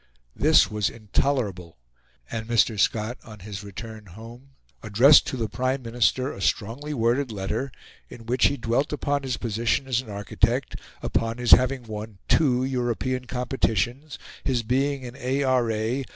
This was intolerable, and Mr. Scott, on his return home, addressed to the Prime Minister a strongly worded letter, in which he dwelt upon his position as an architect, upon his having won two European competitions, his being an A.R.A.